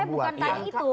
saya bukan tanya itu